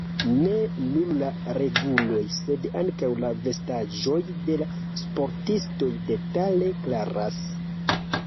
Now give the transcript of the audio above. Ne nur la reguloj sed ankaŭ la vestaĵoj de la sportistoj detale klaras.